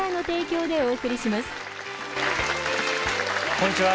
こんにちは